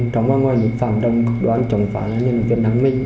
trong và ngoài những phạm đồng cực đoán chống phá nhân viên hành minh